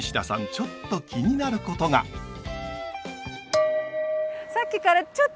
ちょっと気になることが。ねえ。